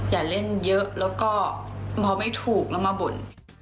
อย่าเล่นเยอะแล้วก็พอไม่ถูกแล้วมาบ่น